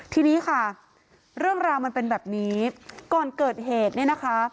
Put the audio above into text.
ทีนี้ค่ะเรื่องราวมันเป็นแบบนี้ก่อนเกิดเหตุเนี่ยนะคะ